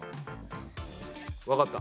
わかった。